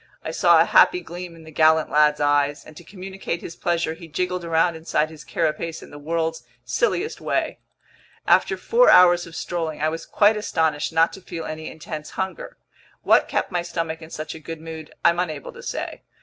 I saw a happy gleam in the gallant lad's eyes, and to communicate his pleasure, he jiggled around inside his carapace in the world's silliest way. After four hours of strolling, I was quite astonished not to feel any intense hunger. What kept my stomach in such a good mood I'm unable to say.